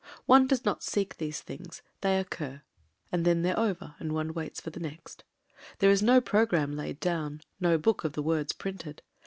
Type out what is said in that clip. One does not seek these things — ^they oc cur ; and then they're over, and one waits for the next. There is no programme laid down, no book of the words printed.